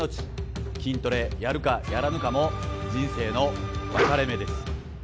筋トレやるかやらぬかも人生の分かれ目です！